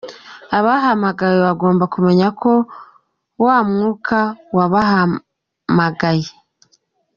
Abahamagawe.bagomba kumenya ko wa mwuka wabahamagaye.